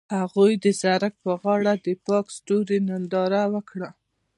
هغوی د سړک پر غاړه د پاک ستوري ننداره وکړه.